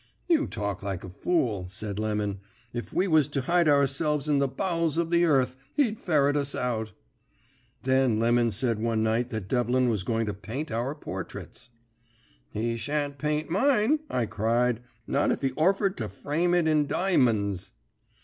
"'You talk like a fool,' said Lemon. 'If we was to hide ourselves in the bowels of the earth he'd ferret us out.' "Then Lemon said one night that Devlin was going to paint our portraits. "'He sha'n't paint mine,' I cried, 'not if he orfered to frame it in dymens!'